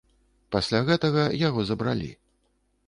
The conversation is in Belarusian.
Пасля гэтага яго забралі.